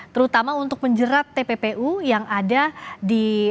terutama untuk menjerat tppu yang ada di